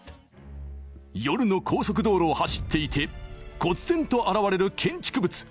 「夜の高速道路を走っていて忽然と現れる建築物」